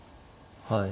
はい。